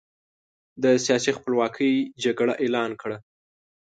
د سیاسي خپلواکۍ جګړه اعلان کړه.